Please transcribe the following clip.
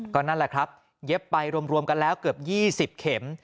ก็นั่นแหละครับเย็บไปรวมกันแล้วเกือบ๒๐เข็ม